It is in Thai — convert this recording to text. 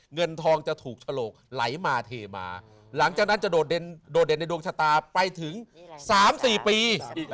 เงินทองจะถูกฉลกไหลมาเทมาหลังจากนั้นจะโดดเด่นในดวงชะตาไปถึง๓๔ปี